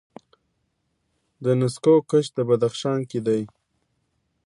د نسکو کښت په بدخشان کې دی.